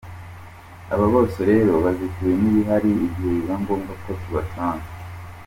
Aba bose rero bazitiwe nibi hari igihe biba ngombwa ko tubasanga.